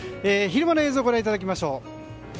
昼間の映像ご覧いただきましょう。